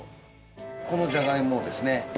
このじゃがいもをですね